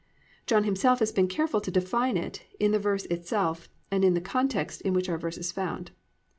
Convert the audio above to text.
John himself has been careful to define it in the verse itself and in the context in which our verse is found.